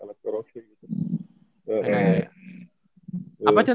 apa can tadi can